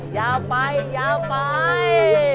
อย่าไปอย่าไป